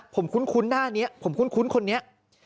ผมคุ้นหน้านี้ผมคุ้นคนนี้